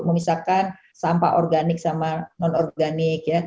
memisahkan sampah organik sama non organik